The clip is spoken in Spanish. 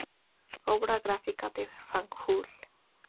Obra gráfica de Fanjul.